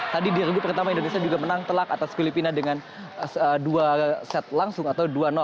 tadi di regu pertama indonesia juga menang telak atas filipina dengan dua set langsung atau dua